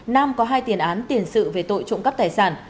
nam có hai tiền án tiền sự về tội trộm cắp tài sản